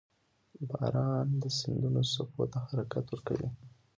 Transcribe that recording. • باران د سیندونو څپو ته حرکت ورکوي.